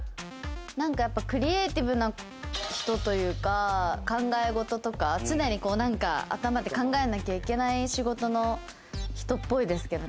何かクリエーティブな人というか、考え事とか、常に頭で考えなきゃいけない仕事の人っぽいですけどね。